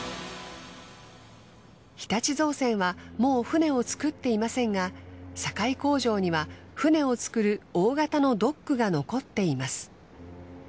日立造船はもう船を造っていませんが堺工場には船を造る大型のドックが残っています。